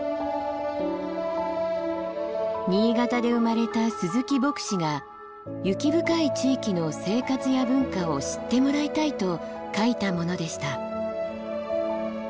新潟で生まれた鈴木牧之が雪深い地域の生活や文化を知ってもらいたいと書いたものでした。